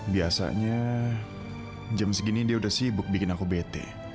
biasanya jam segini dia udah sibuk bikin aku bete